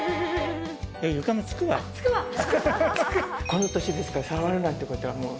この年ですから触るなんて事はもう。